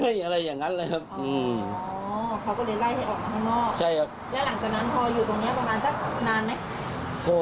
สักพักก็หายไปกันเรื่องเงินแล้วก็กลายเป็นว่ามีเหตุทำร้ายร่างกายกันอีกรอบหนึ่งค่ะ